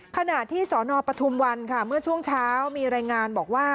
ขณะที่สนปฐุมวันค่ะเมื่อช่วงเช้ามีรายงานบอกว่า